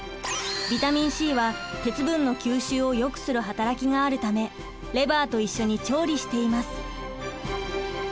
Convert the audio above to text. ビタミンＣは鉄分の吸収をよくする働きがあるためレバーと一緒に調理しています。